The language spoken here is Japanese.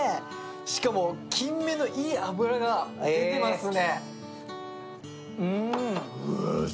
しかもキンメのいい脂が出てますね。